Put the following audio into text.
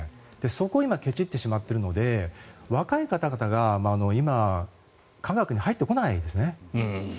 そこを今けちってしまっているので若い方々が今科学に入ってこないですね。